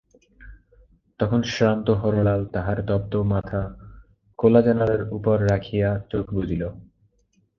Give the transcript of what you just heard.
তখন শ্রান্ত হরলাল তাহার তপ্ত মাথা খোলা জানলার উপর রাখিয়া চোখ বুজিল।